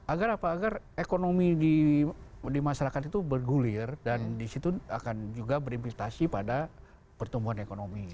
agar apa agar ekonomi di masyarakat itu bergulir dan disitu akan juga berimplikasi pada pertumbuhan ekonomi